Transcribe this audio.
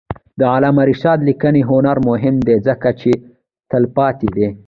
د علامه رشاد لیکنی هنر مهم دی ځکه چې تلپاتې دی.